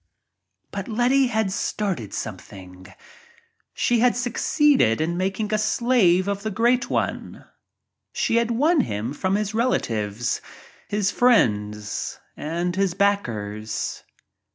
But Letty had started something — she had suc ceeded in making a slave of the Great One. She had won him from his relatives, his friends and his backers.